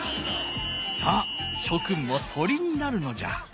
さあしょくんも鳥になるのじゃ。